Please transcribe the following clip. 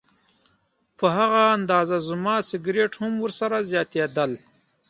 په هغه اندازه زما سګرټ هم ورسره زیاتېدل.